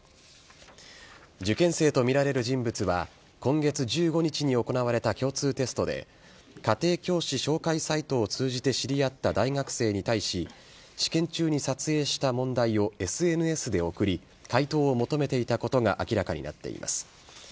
受験生とみられる人物は今月１５日に行われた共通テストで家庭教師紹介サイトを通じて知り合った大学生に対し試験中に撮影した問題をＳＮＳで送り解答を求めていたことが明らかになっています。